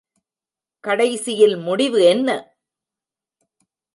கடைசியில் முடிவு என்ன?